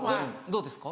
どうですか？